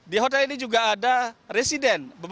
di hotel ini juga ada resident